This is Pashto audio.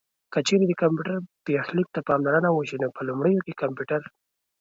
که چېرې د کمپيوټر پيښليک ته پاملرنه وشي نو په لومړيو کې کمپيوټر